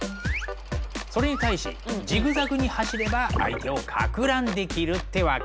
それに対しジグザグに走れば相手をかく乱できるってわけ。